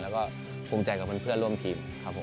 แล้วก็ภูมิใจกับคนเพื่อนร่วมทีม